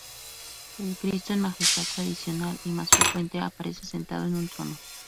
El Cristo en Majestad tradicional y más frecuente aparece sentado en un trono.